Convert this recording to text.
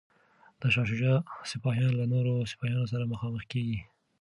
د شاه شجاع سپایان له نورو سپایانو سره مخامخ کیږي.